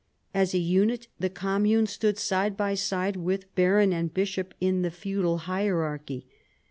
As a unit the commune stood side by side with baron and bishop in the feudal hierarchy.